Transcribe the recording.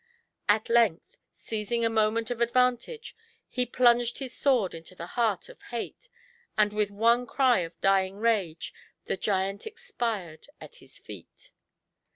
At length, seizing a moment of ad vantage, he plunged his sword into the heart of Hate, and, with one cry of dying rage, the giant expired at his feet.